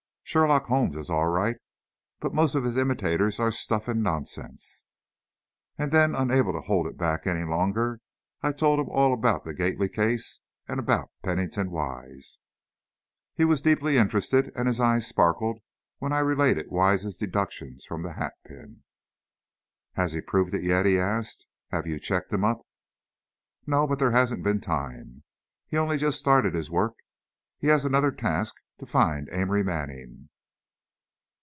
Sherlock Holmes is all right, but most of his imitators are stuff and nonsense." And then, unable to hold it back any longer, I told him all about the Gately case and about Pennington Wise. He was deeply interested, and his eyes sparkled when I related Wise's deductions from the hatpin. "Has he proved it yet?" he asked; "have you checked him up?" "No, but there hasn't been time. He's only just started his work. He has another task; to find Amory Manning."